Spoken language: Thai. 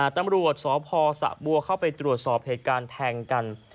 ตำรวจสพสะบัวเข้าไปตรวจสอบเหตุการณ์แทงกัน